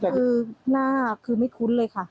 คือหน้าคือไม่คุ้นเลยค่ะ